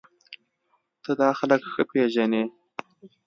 ته دا خلک ښه پېژنې